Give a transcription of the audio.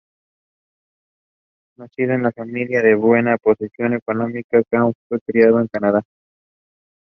Nacido en una familia de buena posición económica, Kwan fue criado en Canadá.